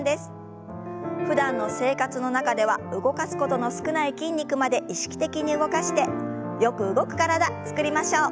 ふだんの生活の中では動かすことの少ない筋肉まで意識的に動かしてよく動く体つくりましょう。